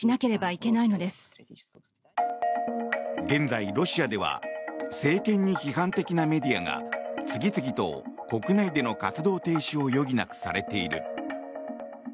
現在、ロシアでは政権に批判的なメディアが次々と国内での活動停止を余儀なくされている。